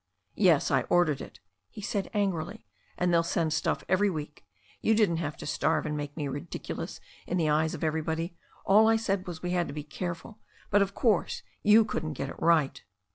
"Yes, I ordered it," he said angrily, "and they'll send stuff every week. You didn't have to starve and make me ridiculous in the eyes of everybody. All I said was we had to be careful ; but, of course, you couldn't get it right."